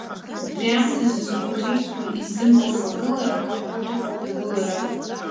Убри аамҭазы згәы ҭрысуа, иззымгәаӷьуа агылара, ҳаӷоу дыҟоуп игәылара!